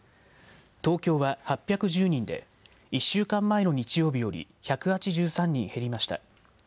東京は８１０人で、１週間前の日曜日より１８３人減りました。